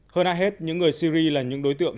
hơn ai hết những người syri là những đối tượng